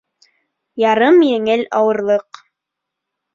Ярым еңел ауырлыҡ